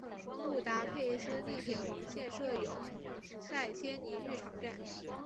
布达佩斯地铁黄线设有塞切尼浴场站。